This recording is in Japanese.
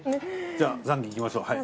じゃあザンギいきましょうはい。